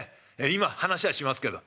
今話はしますけど。